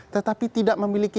tetapi tidak memiliki